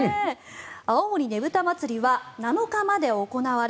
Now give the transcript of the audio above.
青森ねぶた祭は７日まで行われ